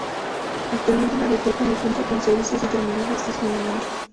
Actualmente el aeropuerto no cuenta con servicios de terminal o estacionamiento.